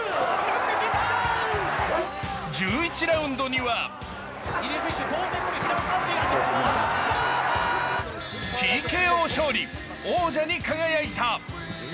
１１ラウンドにはＴＫＯ勝利、王者に輝いた。